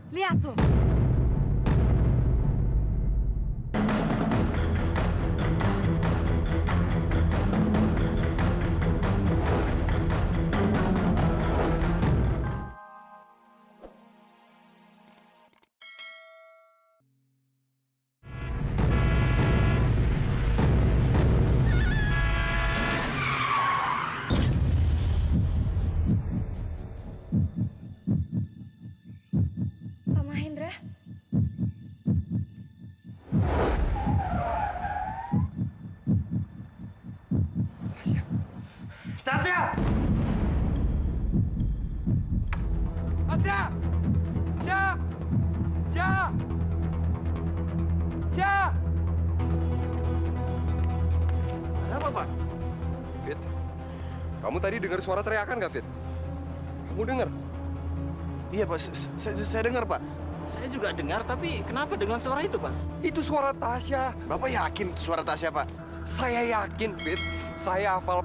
sampai jumpa di video selanjutnya